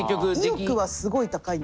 意欲はすごい高いんですけど。